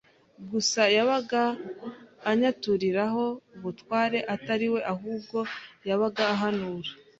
gusa yabaga anyaturiraho ubutware Atari we ahubwo yabaga ahanura